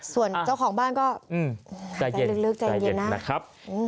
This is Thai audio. ส่วนเจ้าของบ้านก็ใจลึกใจเย็นนะครับ